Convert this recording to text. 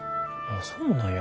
そうなんや。